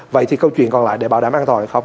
vậy thì câu chuyện còn lại để bảo đảm an toàn hay không